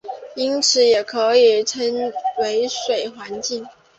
因此也可以称其为水环境。